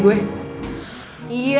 kontakt penglinik dia